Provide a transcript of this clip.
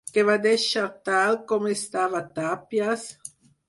Què va deixar tal com estava Tàpies?